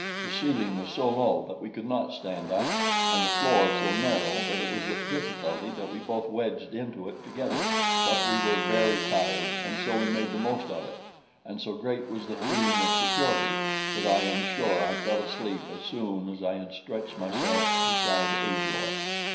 The ceiling was so low that we could not stand up, and the floor so narrow that it was with difficulty that we both wedged into it together; but we were very tired, and so we made the most of it; and so great was the feeling of security that I am sure I fell asleep as soon as I had stretched myself beside Ajor.